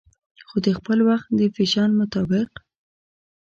خو دخپل وخت د فېشن مطابق